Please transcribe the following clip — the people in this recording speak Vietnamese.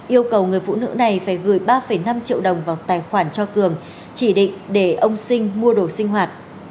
yêu cầu người phụ nữ này phải gửi ba năm triệu đồng vào tài khoản cho cường chỉ định để ông sinh mua đồ sinh hoạt